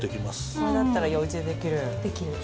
これだったらおうちでできる。